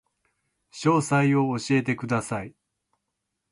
詳細を教えてください